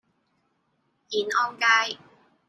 燕安街